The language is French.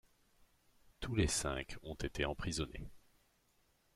Tous les cinq ont été emprisonnés.